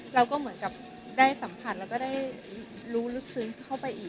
เราก็เหมือนกับได้สัมผัสเราก็ได้รู้รู้สึกเข้าไปอีก